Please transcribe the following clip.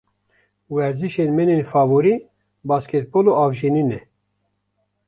Werzişên min ên favorî basketbol û avjenî ne.